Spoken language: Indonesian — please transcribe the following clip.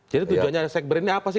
jadi tujuannya cekber ini apa sih